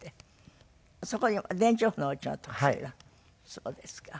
そうですか。